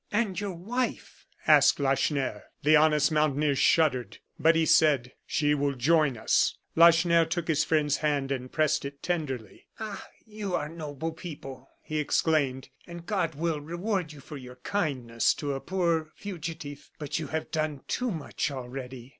"And your wife?" asked Lacheneur. The honest mountaineer shuddered; but he said: "She will join us." Lacheneur took his friend's hand and pressed it tenderly. "Ah! you are noble people," he exclaimed, "and God will reward you for your kindness to a poor fugitive. But you have done too much already.